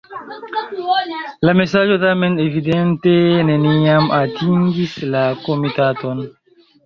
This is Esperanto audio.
La mesaĝo tamen evidente neniam atingis la komitaton.